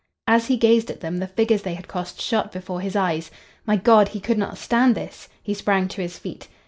As he gazed at them the figures they had cost shot before his eyes. My God! he could not stand this! He sprang to his feet.